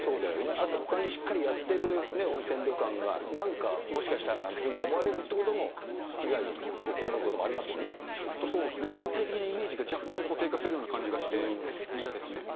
あとほかにしっかりやってる温泉旅館が、なんかもしかしたらなんていうふうに思われるということも、ちょっとそうですね、全体的なイメージが若干固定化するような感じがして嫌ですね。